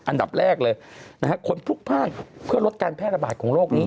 อันดับแรกเลยนะฮะคนพลุกพ่านเพื่อลดการแพร่ระบาดของโรคนี้